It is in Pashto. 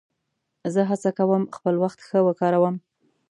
زه هڅه کوم خپل وخت ښه وکاروم.